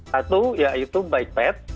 satu yaitu bike path